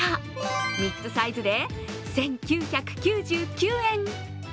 ３つサイズで１９９９円。